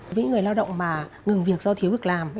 với người lao động mà ngừng việc do thiếu việc làm